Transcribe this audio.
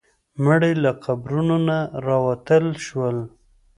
مړي له قبرونو نه راوتل شول.